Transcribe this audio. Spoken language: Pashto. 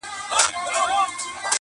• پکښي نه ورښکارېدله خپل عیبونه -